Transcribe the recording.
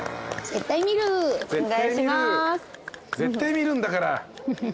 絶対見るんだから。